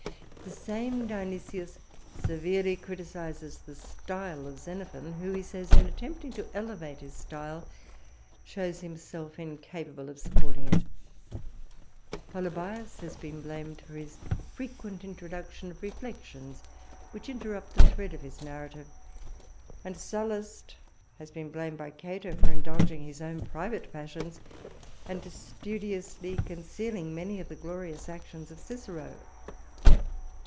The same Dionysius severely criticises the style of Xenophon, who, he says, in attempting to elevate his style, shows himself incapable of supporting it. Polybius has been blamed for his frequent introduction of reflections which interrupt the thread of his narrative; and Sallust has been blamed by Cato for indulging his own private passions, and studiously concealing many of the glorious actions of Cicero.